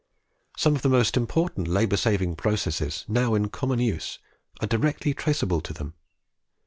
Some of the most important labour saving processes now in common use are directly traceable to them.